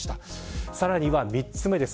さらには３つ目です。